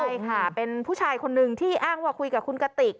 ใช่ค่ะเป็นผู้ชายคนนึงที่อ้างว่าคุยกับคุณกติก